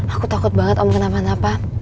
aku takut banget om kenapa napa